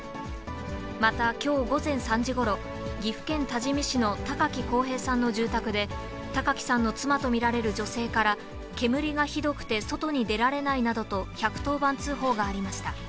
また、きょう午前３時ごろ、岐阜県多治見市の高木康平さんの住宅で、高木さんの妻と見られる女性から煙がひどくて外に出られないなどと、１１０番通報がありました。